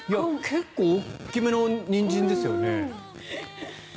結構、大きめのニンジンですよね。